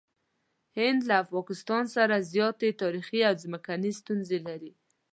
هند له پاکستان سره زیاتې تاریخي او ځمکني ستونزې لري.